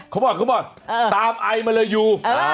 คำม่อนตามไอมาเลยยู